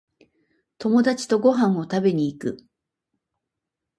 友達とご飯を食べに行く